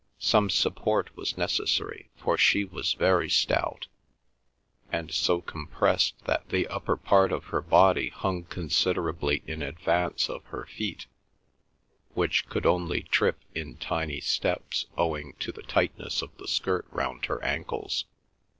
Some support was necessary, for she was very stout, and so compressed that the upper part of her body hung considerably in advance of her feet, which could only trip in tiny steps, owing to the tightness of the skirt round her ankles.